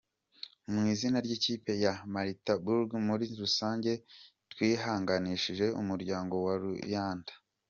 Mu izina ry’ikipe ya Maritzburg muri rusange, twihanganishije umuryango wa Luyanda.